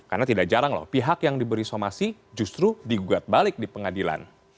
karena tidak jarang loh pihak yang diberi somasi justru digugat balik di pengadilan